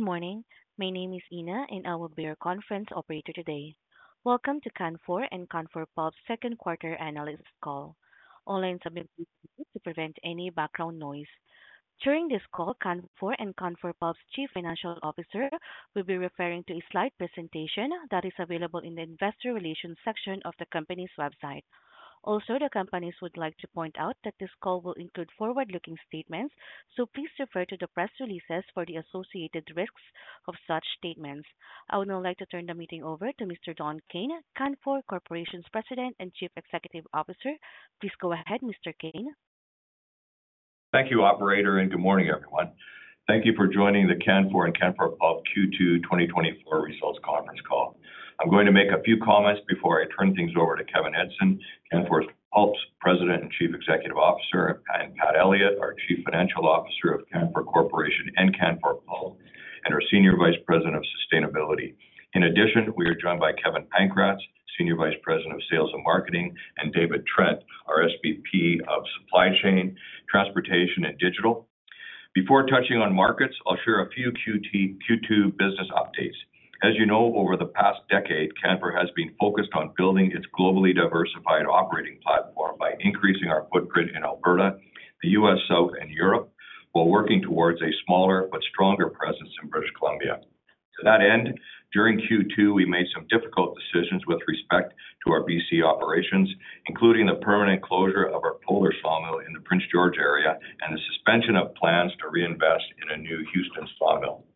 Good morning. My name is Dina, and I will be your conference operator today. Welcome to Canfor and Canfor Pulp's second quarter analyst call. All lines have been muted to prevent any background noise. During this call, Canfor and Canfor Pulp's Chief Financial Officer will be referring to a slide presentation that is available in the investor relations section of the company's website. Also, the companies would like to point out that this call will include forward-looking statements, so please refer to the press releases for the associated risks of such statements. I would now like to turn the meeting over to Mr. Don Kayne, Canfor Corporation's President and Chief Executive Officer. Please go ahead, Mr. Kayne. Thank you, operator, and good morning, everyone. Thank you for joining the Canfor and Canfor Pulp Q2 2024 Results Conference Call. I'm going to make a few comments before I turn things over to Kevin Edgson, Canfor Pulp's President and Chief Executive Officer, and Pat Elliott, our Chief Financial Officer of Canfor Corporation and Canfor Pulp, and our Senior Vice President of Sustainability. In addition, we are joined by Kevin Pankratz, Senior Vice President of Sales and Marketing, and David Trent, our SVP of Supply Chain, Transportation, and Digital. Before touching on markets, I'll share a few Q2 business updates. As you know, over the past decade, Canfor has been focused on building its globally diversified operating platform by increasing our footprint in Alberta, the US South, and Europe, while working towards a smaller but stronger presence in British Columbia. To that end, during Q2, we made some difficult decisions with respect to our BC operations, including the permanent closure of our Polar Sawmill in the Prince George area and the suspension of plans to reinvest in a new Houston sawmill.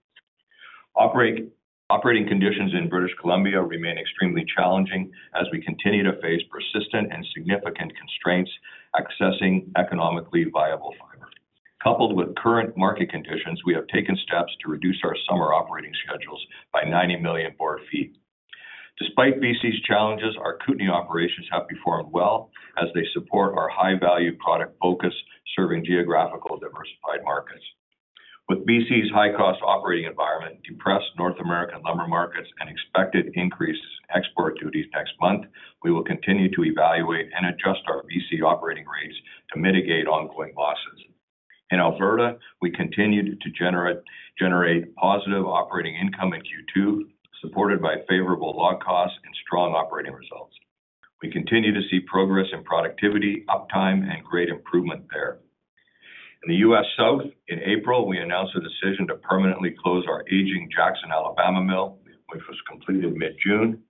Operating conditions in British Columbia remain extremely challenging as we continue to face persistent and significant constraints accessing economically viable fiber. Coupled with current market conditions, we have taken steps to reduce our summer operating schedules by 90 million board feet. Despite BC's challenges, our Kootenay operations have performed well as they support our high-value product focus, serving geographically diversified markets. With BC's high-cost operating environment, depressed North American lumber markets, and expected increases in export duties next month, we will continue to evaluate and adjust our BC operating rates to mitigate ongoing losses. In Alberta, we continued to generate positive operating income in Q2, supported by favorable log costs and strong operating results. We continue to see progress in productivity, uptime, and great improvement there. In the US South, in April, we announced a decision to permanently close our aging Jackson, Alabama mill, which was completed mid-June.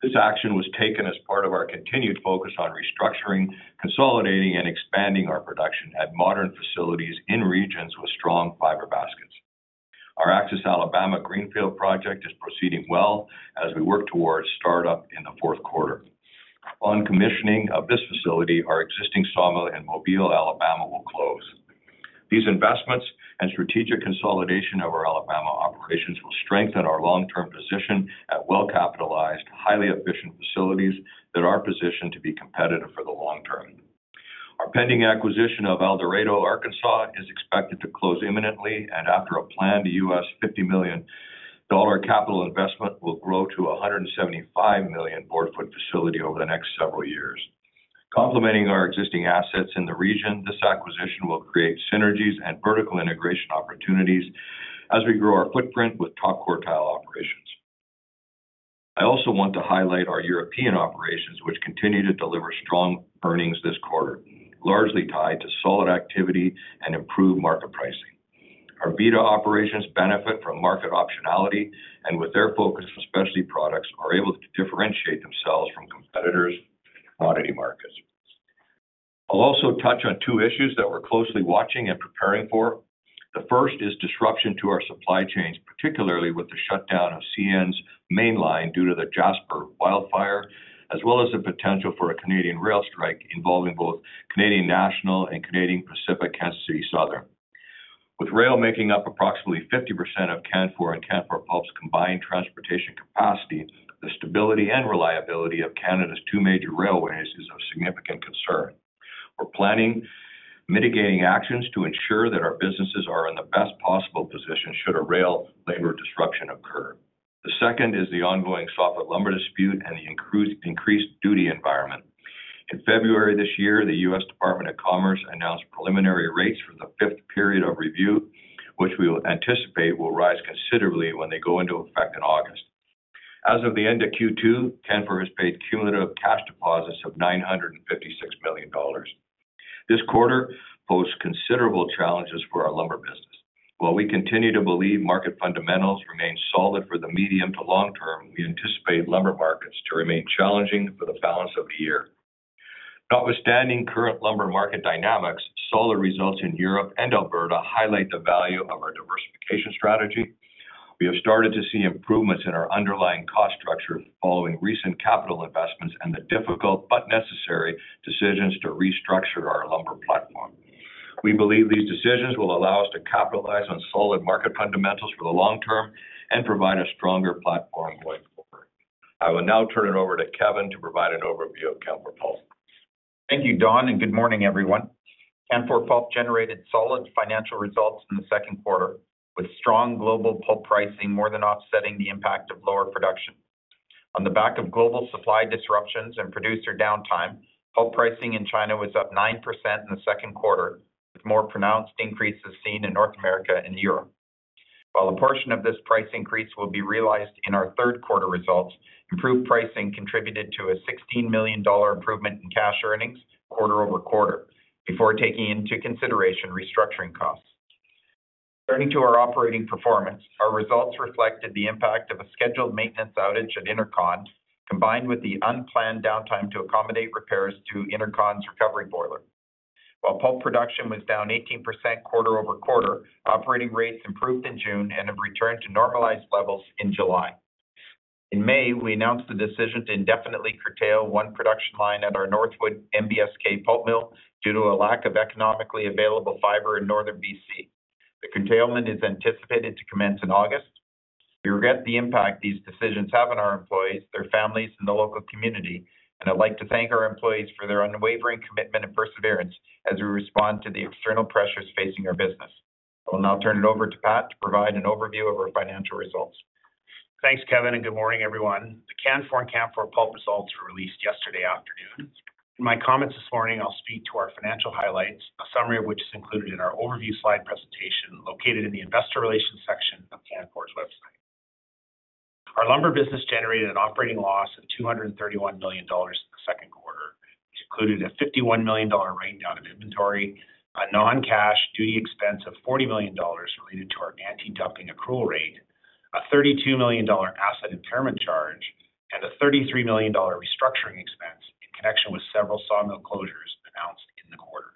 This action was taken as part of our continued focus on restructuring, consolidating, and expanding our production at modern facilities in regions with strong fiber baskets. Our Axis, Alabama Greenfield project is proceeding well as we work towards startup in the fourth quarter. On commissioning of this facility, our existing sawmill in Mobile, Alabama, will close. These investments and strategic consolidation of our Alabama operations will strengthen our long-term position at well-capitalized, highly efficient facilities that are positioned to be competitive for the long term. Our pending acquisition of El Dorado, Arkansas, is expected to close imminently and after a planned U.S. $50 million capital investment, will grow to a 175 million board feet facility over the next several years. Complementing our existing assets in the region, this acquisition will create synergies and vertical integration opportunities as we grow our footprint with top-quartile operations. I also want to highlight our European operations, which continue to deliver strong earnings this quarter, largely tied to solid activity and improved market pricing. Our Vida operations benefit from market optionality and with their focus on specialty products, are able to differentiate themselves from competitors in commodity markets. I'll also touch on two issues that we're closely watching and preparing for. The first is disruption to our supply chains, particularly with the shutdown of CN's mainline due to the Jasper wildfire, as well as the potential for a Canadian rail strike involving both Canadian National and Canadian Pacific Kansas City. With rail making up approximately 50% of Canfor and Canfor Pulp's combined transportation capacity, the stability and reliability of Canada's two major railways is of significant concern. We're planning mitigating actions to ensure that our businesses are in the best possible position should a rail labor disruption occur. The second is the ongoing softwood lumber dispute and the increased duty environment. In February this year, the US Department of Commerce announced preliminary rates for the fifth period of review, which we will anticipate will rise considerably when they go into effect in August. As of the end of Q2, Canfor has paid cumulative cash deposits of $956 million. This quarter posed considerable challenges for our lumber business. While we continue to believe market fundamentals remain solid for the medium to long term, we anticipate lumber markets to remain challenging for the balance of the year. Notwithstanding current lumber market dynamics, solid results in Europe and Alberta highlight the value of our diversification strategy. We have started to see improvements in our underlying cost structure following recent capital investments and the difficult, but necessary, decisions to restructure our lumber platform. We believe these decisions will allow us to capitalize on solid market fundamentals for the long term and provide a stronger platform going forward. I will now turn it over to Kevin to provide an overview of Canfor Pulp. Thank you, Don, and good morning, everyone. Canfor Pulp generated solid financial results in the second quarter, with strong global pulp pricing more than offsetting the impact of lower production. ...On the back of global supply disruptions and producer downtime, pulp pricing in China was up 9% in the second quarter, with more pronounced increases seen in North America and Europe. While a portion of this price increase will be realized in our third quarter results, improved pricing contributed to a 16 million dollar improvement in cash earnings quarter-over-quarter, before taking into consideration restructuring costs. Turning to our operating performance, our results reflected the impact of a scheduled maintenance outage at Intercontinental, combined with the unplanned downtime to accommodate repairs to Intercontinental's recovery boiler. While pulp production was down 18% quarter-over-quarter, operating rates improved in June and have returned to normalized levels in July. In May, we announced the decision to indefinitely curtail one production line at our Northwood NBSK pulp mill due to a lack of economically available fiber in northern B.C. The curtailment is anticipated t.o commence in August. We regret the impact these decisions have on our employees, their families, and the local community, and I'd like to thank our employees for their unwavering commitment and perseverance as we respond to the external pressures facing our business. I will now turn it over to Pat to provide an overview of our financial results. Thanks, Kevin, and good morning, everyone. The Canfor Pulp results were released yesterday afternoon. In my comments this morning, I'll speak to our financial highlights, a summary of which is included in our overview slide presentation, located in the investor relations section of Canfor's website. Our lumber business generated an operating loss of 231 million dollars in the second quarter, which included a 51 million dollar write down of inventory, a non-cash duty expense of 40 million dollars related to our antidumping accrual rate, a 32 million dollar asset impairment charge, and a 33 million dollar restructuring expense in connection with several sawmill closures announced in the quarter.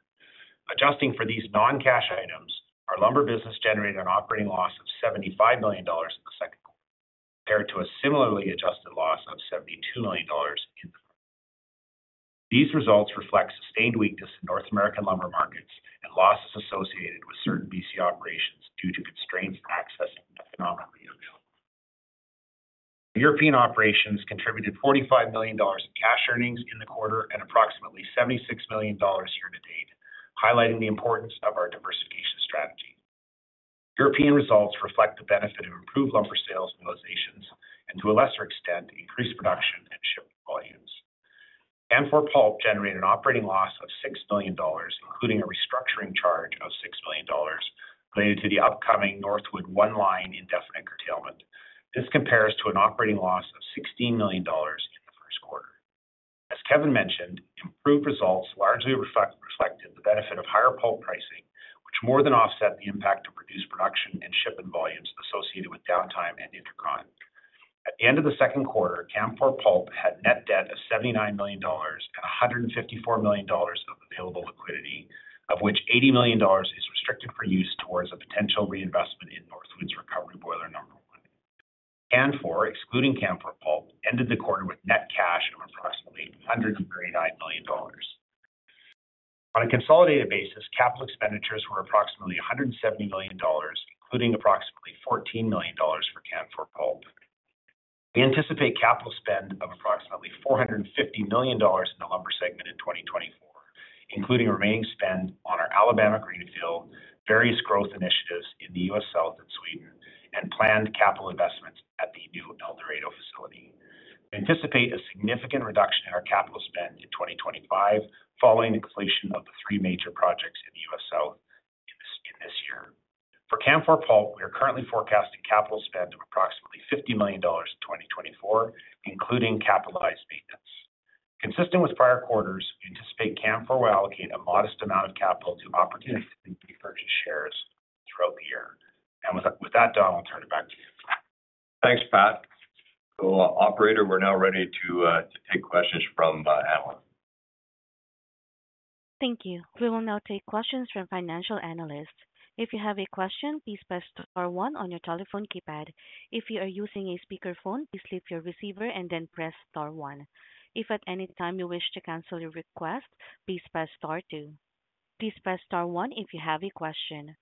Adjusting for these non-cash items, our lumber business generated an operating loss of 75 million dollars in the second quarter, compared to a similarly adjusted loss of 72 million dollars in the quarter. These results reflect sustained weakness in North American lumber markets and losses associated with certain BC operations due to constraints in accessing the fiber normally available. European operations contributed $45 million in cash earnings in the quarter and approximately $76 million year to date, highlighting the importance of our diversification strategy. European results reflect the benefit of improved lumber sales and realizations, and to a lesser extent, increased production and shipping volumes. Canfor pulp generated an operating loss of $6 million, including a restructuring charge of $6 million related to the upcoming Northwood one line indefinite curtailment. This compares to an operating loss of $16 million in the first quarter. As Kevin mentioned, improved results largely reflected the benefit of higher pulp pricing, which more than offset the impact of reduced production and shipping volumes associated with downtime at Intercontinental. At the end of the second quarter, Canfor Pulp had net debt of 79 million dollars and 154 million dollars of available liquidity, of which 80 million dollars is restricted for use towards a potential reinvestment in Northwood's recovery boiler number one. Canfor, excluding Canfor Pulp, ended the quarter with net cash of approximately 139 million dollars. On a consolidated basis, capital expenditures were approximately 170 million dollars, including approximately 14 million dollars for Canfor Pulp. We anticipate capital spend of approximately 450 million dollars in the lumber segment in 2024, including remaining spend on our Alabama greenfield, various growth initiatives in the US South and Sweden, and planned capital investments at the new El Dorado facility. We anticipate a significant reduction in our capital spend in 2025, following the completion of the three major projects in the US South in this year. For Canfor Pulp, we are currently forecasting capital spend of approximately 50 million dollars in 2024, including capitalized maintenance. Consistent with prior quarters, we anticipate Canfor will allocate a modest amount of capital to opportunities to purchase shares throughout the year. With that, Don, I'll turn it back to you. Thanks, Pat. So, operator, we're now ready to take questions from Analysts. Thank you. We will now take questions from financial analysts. If you have a question, please press star one on your telephone keypad. If you are using a speakerphone, please lift your receiver and then press star one. If at any time you wish to cancel your request, please press star two. Please press star one if you have a question.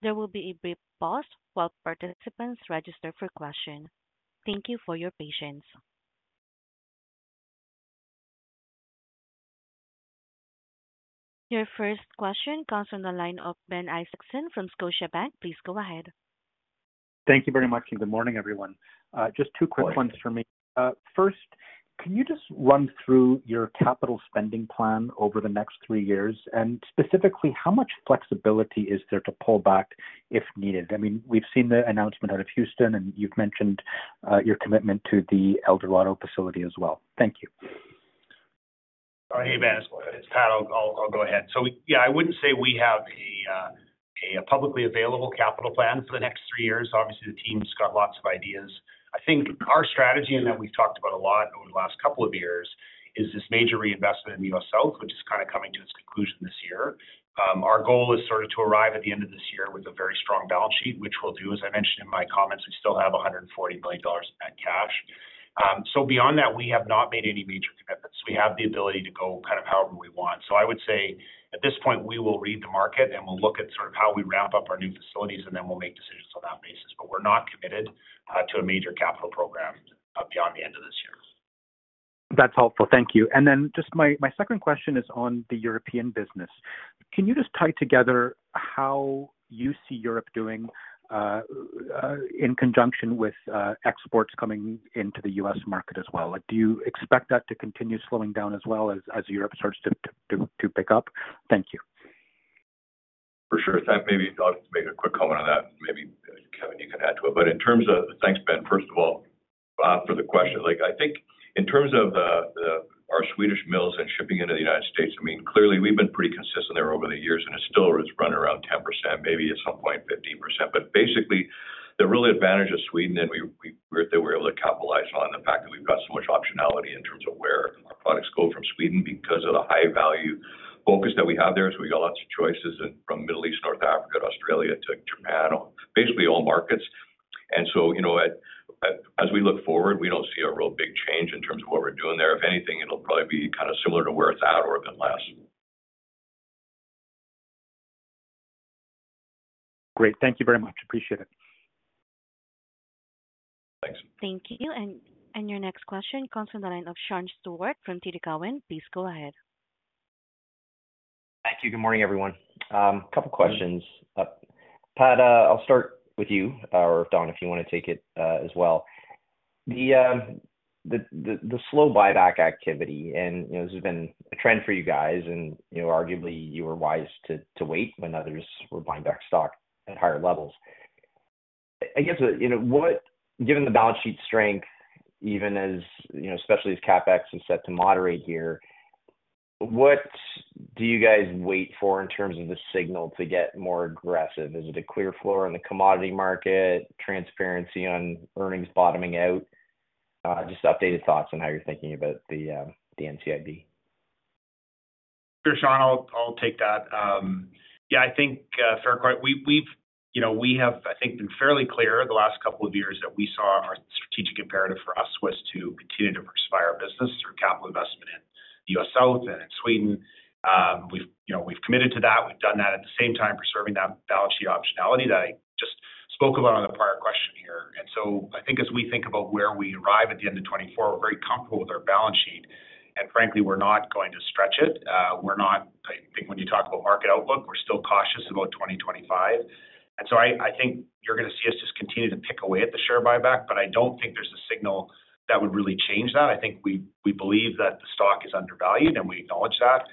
There will be a brief pause while participants register for question. Thank you for your patience. Your first question comes from the line of Ben Isaacson from Scotiabank. Please go ahead. Thank you very much, and good morning, everyone. Just two quick ones for me. First, can you just run through your capital spending plan over the next three years? And specifically, how much flexibility is there to pull back if needed? I mean, we've seen the announcement out of Houston, and you've mentioned your commitment to the El Dorado facility as well? Thank you. Hey, Ben, it's Pat. I'll go ahead. So yeah, I wouldn't say we have a publicly available capital plan for the next three years. Obviously, the team's got lots of ideas. I think our strategy, and that we've talked about a lot over the last couple of years, is this major reinvestment in US South, which is kind of coming to its conclusion this year. Our goal is sort of to arrive at the end of this year with a very strong balance sheet, which we'll do. As I mentioned in my comments, we still have $140 billion in net cash. So beyond that, we have not made any major commitments. We have the ability to go kind of however we want. I would say at this point, we will read the market, and we'll look at sort of how we ramp up our new facilities, and then we'll make decisions on that basis. But we're not committed to a major capital program beyond the end of this year.... That's helpful. Thank you. And then just my second question is on the European business. Can you just tie together how you see Europe doing, in conjunction with, exports coming into the U.S. market as well? Like, do you expect that to continue slowing down as well as, as Europe starts to pick up? Thank you. For sure. That maybe I'll just make a quick comment on that, maybe, Kevin, you can add to it. But in terms of—thanks, Ben, first of all, for the question. Like, I think in terms of the our Swedish mills and shipping into the United States, I mean, clearly, we've been pretty consistent there over the years, and it still is running around 10%, maybe at some point, 15%. But basically, the real advantage of Sweden, and we that we're able to capitalize on the fact that we've got so much optionality in terms of where our products go from Sweden because of the high-value focus that we have there. So we got lots of choices in from Middle East, North Africa, to Australia, to Japan, basically all markets. you know, as we look forward, we don't see a real big change in terms of what we're doing there. If anything, it'll probably be kind of similar to where it's at or a bit less. Great. Thank you very much. Appreciate it. Thanks. Thank you. And, your next question comes from the line of Sean Steuart from TD Cowen. Please go ahead. Thank you. Good morning, everyone. Couple questions. Pat, I'll start with you, or Don, if you wanna take it, as well. The slow buyback activity, and, you know, this has been a trend for you guys and, you know, arguably you were wise to wait when others were buying back stock at higher levels. I guess, you know, what, given the balance sheet strength, even as, you know, especially as CapEx is set to moderate here, what do you guys wait for in terms of the signal to get more aggressive? Is it a clear floor in the commodity market, transparency on earnings bottoming out? Just updated thoughts on how you're thinking about the NCIB? Sure, Sean, I'll take that. Yeah, I think fair point, we've... You know, we have, I think, been fairly clear the last couple of years that we saw our strategic imperative for us was to continue to pursue our business through capital investment in US South and in Sweden. We've, you know, we've committed to that. We've done that at the same time, preserving that balance sheet optionality that I just spoke about on the prior question here. And so I think as we think about where we arrive at the end of 2024, we're very comfortable with our balance sheet, and frankly, we're not going to stretch it. We're not, I think when you talk about market outlook, we're still cautious about 2025. So I think you're gonna see us just continue to pick away at the share buyback, but I don't think there's a signal that would really change that. I think we believe that the stock is undervalued, and we acknowledge that,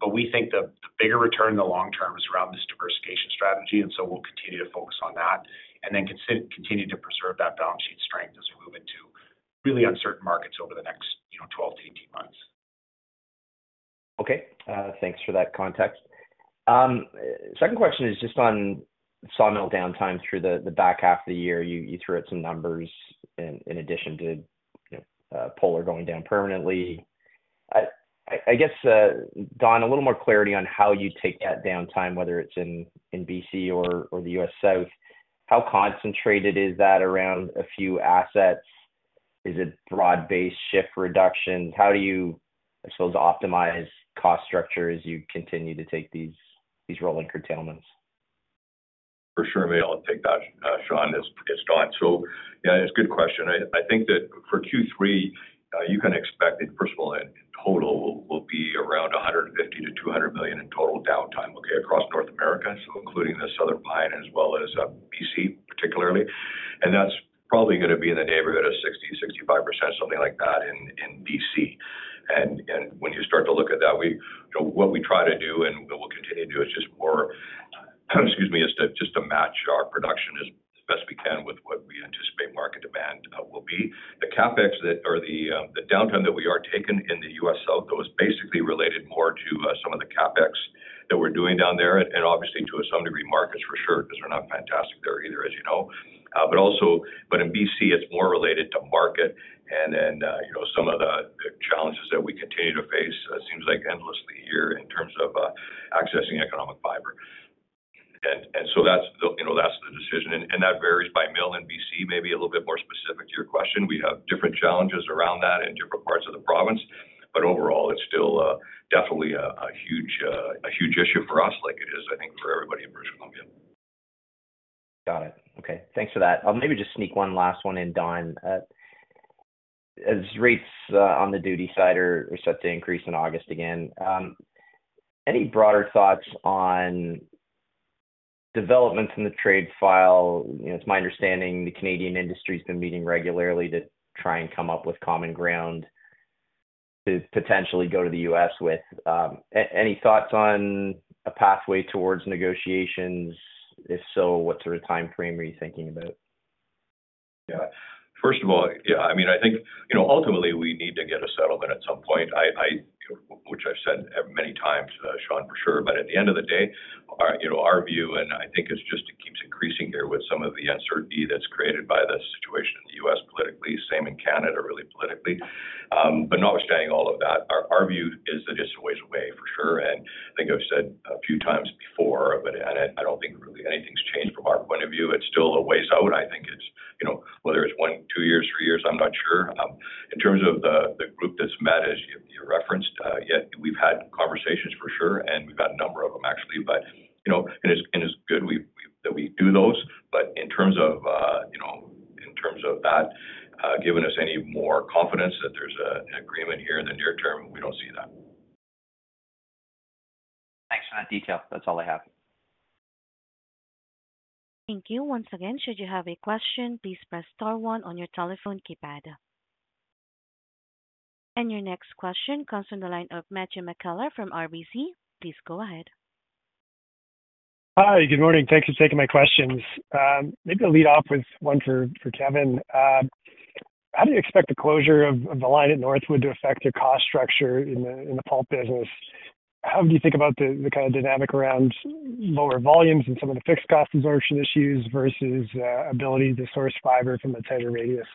but we think the bigger return in the long term is around this diversification strategy, and so we'll continue to focus on that and then continue to preserve that balance sheet strength as we move into really uncertain markets over the next, you know, 12-18 months. Okay, thanks for that context. Second question is just on sawmill downtime through the back half of the year. You threw out some numbers in addition to, you know, Polar going down permanently. I guess, Don, a little more clarity on how you take that downtime, whether it's in BC or the US South. How concentrated is that around a few assets? Is it broad-based shift reduction? How do you, I suppose, optimize cost structure as you continue to take these rolling curtailments? For sure, me, I'll take that, Sean, as Don. So yeah, it's a good question. I think that for Q3, you can expect that, first of all, in total will be around 150 million-200 million in total downtime, okay, across North America, so including the Southern Pine as well as BC, particularly. And that's probably gonna be in the neighborhood of 60-65%, something like that, in BC. And when you start to look at that, we, you know, what we try to do and we'll continue to do is just more, excuse me, is to just to match our production as best we can with what we anticipate market demand will be. The downtime that we are taking in the US South, that was basically related more to some of the CapEx that we're doing down there, and obviously to some degree, markets for sure, because we're not fantastic there either, as you know. But also... But in BC, it's more related to market and then, you know, some of the challenges that we continue to face, it seems like endlessly here in terms of accessing economic fiber. And so that's the, you know, that's the decision, and that varies by mill in BC, maybe a little bit more specific to your question. We have different challenges around that in different parts of the province, but overall, it's still definitely a huge issue for us like it is, I think, for everybody in British Columbia. Got it. Okay, thanks for that. I'll maybe just sneak one last one in, Don. As rates on the duty side are set to increase in August again, any broader thoughts on developments in the trade file? You know, it's my understanding the Canadian industry's been meeting regularly to try and come up with common ground to potentially go to the U.S. with. Any thoughts on a pathway towards negotiations? If so, what sort of timeframe are you thinking about? Yeah. First of all, yeah, I mean, I think, you know, ultimately, we need to get a settlement at some point. I, which I've said many times, Sean, for sure. But at the end of the day, our, you know, our view, and I think it's just it keeps increasing here with some of the uncertainty that's created by the situation in the U.S. politically, same in Canada, really politically. But notwithstanding all of that, our, our view is that it's a ways away for sure. And I think I've said a few times before, but, and I don't think really anything's changed from our point of view. It's still a way out. I think it's, you know, whether it's 1, 2 years, 3 years, I'm not sure. In terms of the group that's met, as you referenced, yet we've had conversations for sure, and we've had. You know, and it's good that we do those. But in terms of, you know, in terms of that, giving us any more confidence that there's an agreement here in the near term, we don't see that. Thanks for that detail. That's all I have. Thank you. Once again, should you have a question, please press star one on your telephone keypad. Your next question comes from the line of Matthew McKellar from RBC. Please go ahead. Hi, good morning. Thanks for taking my questions. Maybe I'll lead off with one for, for Kevin. How do you expect the closure of, of the line at Northwood to affect your cost structure in the, in the pulp business? How do you think about the, the kind of dynamic around lower volumes and some of the fixed cost absorption issues versus, ability to source fiber from a tighter radius?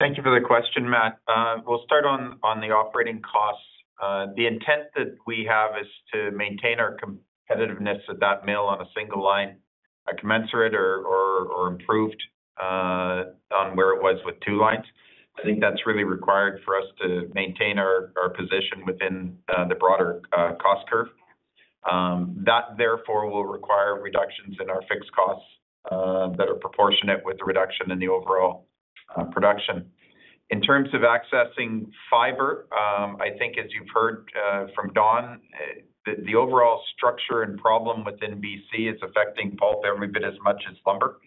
Thank you for the question, Matt. We'll start on the operating costs. The intent that we have is to maintain our competitiveness at that mill on a single line, commensurate or improved, on where it was with two lines. I think that's really required for us to maintain our position within the broader cost curve. That, therefore, will require reductions in our fixed costs that are proportionate with the reduction in the overall production. In terms of accessing fiber, I think as you've heard from Don, the overall structure and problem within BC is affecting pulp every bit as much as lumber.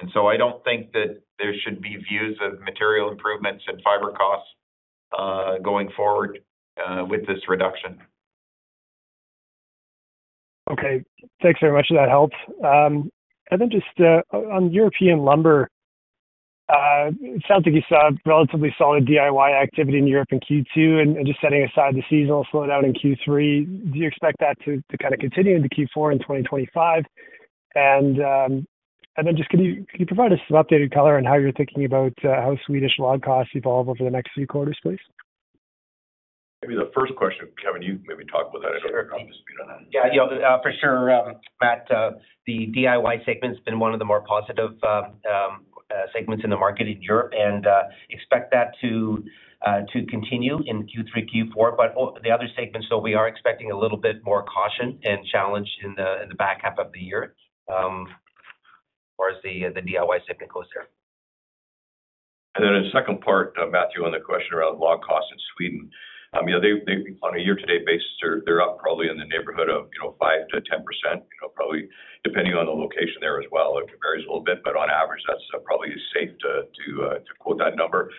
And so I don't think that there should be views of material improvements in fiber costs going forward with this reduction. Okay. Thanks very much for that help. And then just, on European lumber, it sounds like you saw a relatively solid DIY activity in Europe in Q2, and just setting aside the seasonal slowdown in Q3, do you expect that to kind of continue into Q4 in 2025? And then just, can you provide us some updated color on how you're thinking about, how Swedish log costs evolve over the next few quarters, please? Maybe the first question, Kevin. You maybe talk about that. I don't have enough speed on that. Yeah, you know, for sure, Matt, the DIY segment's been one of the more positive segments in the market in Europe, and expect that to continue in Q3, Q4. But all the other segments, so we are expecting a little bit more caution and challenge in the back half of the year, whereas the DIY segment close here. And then the second part, Matthew, on the question around log costs in Sweden. You know, they on a year-to-date basis, they're up probably in the neighborhood of, you know, 5%-10%, you know, probably depending on the location there as well. It varies a little bit, but on average, that's probably safe to quote that number.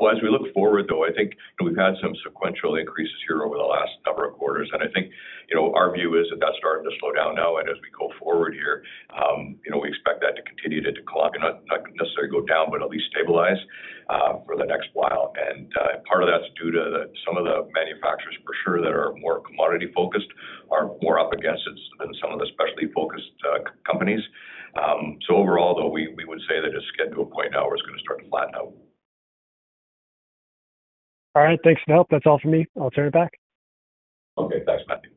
Well, as we look forward, though, I think we've had some sequential increases here over the last number of quarters. And I think, you know, our view is that that's starting to slow down now, and as we go forward here, you know, we expect that to continue to decline and not necessarily go down, but at least stabilize for the next while. Part of that's due to some of the manufacturers for sure that are more commodity-focused are more up against it than some of the specialty-focused companies. So overall, though, we would say that it's getting to a point now where it's gonna start to flatten out. All right, thanks for the help. That's all for me. I'll turn it back. Okay, thanks, Matthew.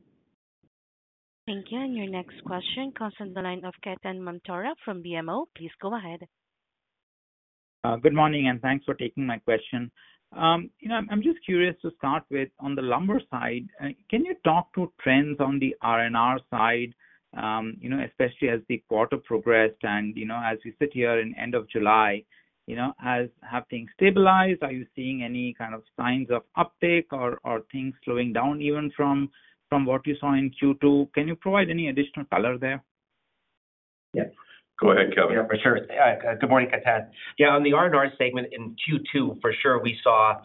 Thank you. Your next question comes from the line of Ketan Mamtora from BMO. Please go ahead. Good morning, and thanks for taking my question. You know, I'm just curious to start with, on the lumber side, can you talk to trends on the R&R side, you know, especially as the quarter progressed and, you know, as we sit here in end of July, you know, have things stabilized? Are you seeing any kind of signs of uptick or things slowing down, even from what you saw in Q2? Can you provide any additional color there? Yeah. Go ahead, Kevin. Yeah, for sure. Good morning, Ketan. Yeah, on the R&R segment in Q2, for sure, we saw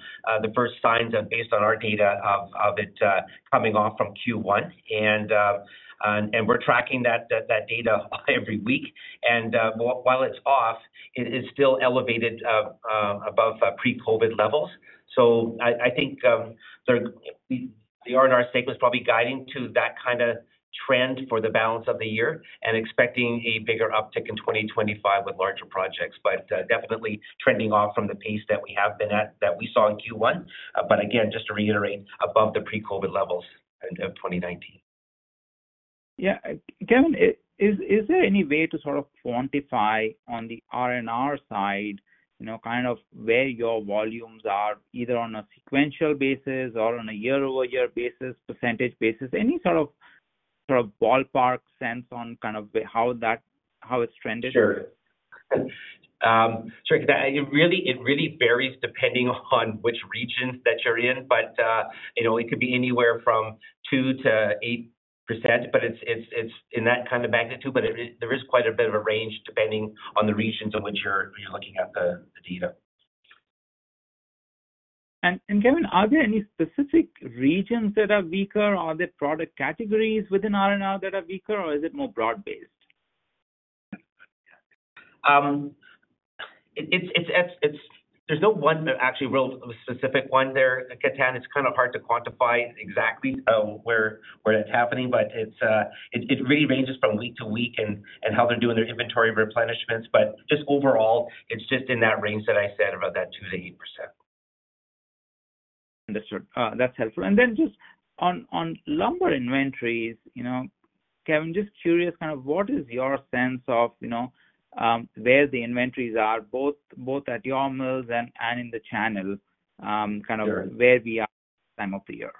the first signs of, based on our data, it coming off from Q1. And we're tracking that data every week. And while it's off, it is still elevated above pre-COVID levels. So I think the R&R state was probably guiding to that kind of trend for the balance of the year and expecting a bigger uptick in 2025 with larger projects, but definitely trending off from the pace that we have been at, that we saw in Q1. But again, just to reiterate, above the pre-COVID levels in 2019. Yeah. Kevin, is there any way to sort of quantify on the R&R side, you know, kind of where your volumes are, either on a sequential basis or on a year-over-year basis, percentage basis? Any sort of ballpark sense on kind of how that, how it's trended? Sure. So it really varies depending on which regions that you're in, but you know, it could be anywhere from 2%-8%, but it's in that kind of magnitude, but it is, there is quite a bit of a range depending on the regions in which you're looking at the data. And Kevin, are there any specific regions that are weaker, or are there product categories within R&R that are weaker, or is it more broad-based? There's no one, actually, really specific one there, Ketan. It's kind of hard to quantify exactly where that's happening, but it really ranges from week to week and how they're doing their inventory replenishments. But just overall, it's just in that range that I said, about that 2%-8%. Understood. That's helpful. And then just on lumber inventories, you know, Kevin, just curious, kind of what is your sense of, you know, where the inventories are, both at your mills and in the channel? Sure. Kind of where we are this time of the year?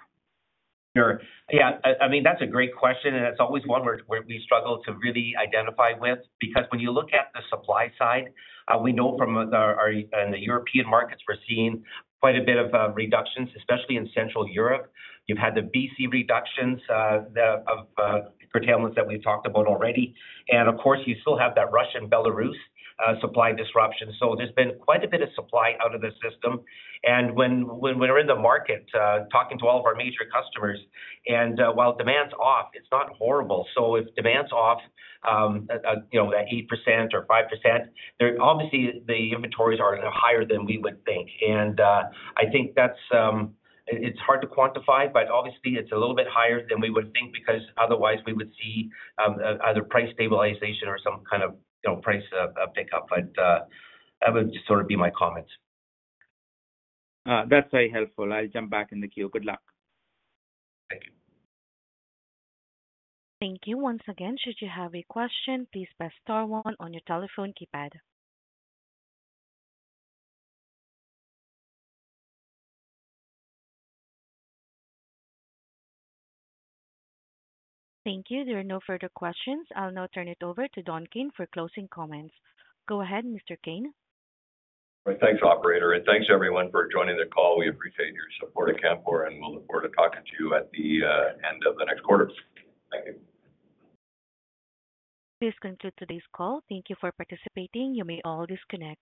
Sure. Yeah, I mean, that's a great question, and it's always one where we struggle to really identify with, because when you look at the supply side, we know from our in the European markets, we're seeing quite a bit of reductions, especially in Central Europe. You've had the BC reductions, the curtailments that we've talked about already. And of course, you still have that Russia and Belarus supply disruption. So there's been quite a bit of supply out of the system. And when we're in the market talking to all of our major customers, and while demand's off, it's not horrible. So if demand's off, you know, at 8% or 5%, they're obviously, the inventories are higher than we would think. I think that's. It's hard to quantify, but obviously it's a little bit higher than we would think, because otherwise we would see either price stabilization or some kind of, you know, price pickup. But that would just sort of be my comments. That's very helpful. I'll jump back in the queue. Good luck. Thank you. Thank you. Once again, should you have a question, please press star one on your telephone keypad. Thank you. There are no further questions. I'll now turn it over to Don Kayne for closing comments. Go ahead, Mr. Kayne. Thanks, operator, and thanks everyone for joining the call. We appreciate your support at Canfor, and we'll look forward to talking to you at the end of the next quarter. Thank you. This concludes today's call. Thank you for participating. You may all disconnect.